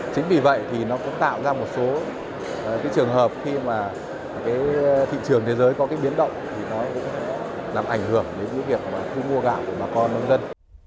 chính vì vậy nó cũng tạo ra một số trường hợp khi thị trường thế giới có biến động làm ảnh hưởng đến việc thu mua gạo của bà con nông dân